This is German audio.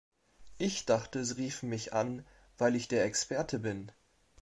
Ich dachte, Sie riefen mich an, weil ich der Experte bin!